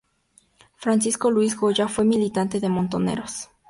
Francisco Luis Goya fue militante de Montoneros.